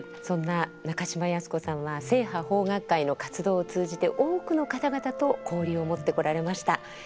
そんな中島靖子さんは正派邦楽会の活動を通じて多くの方々と交流を持ってこられました。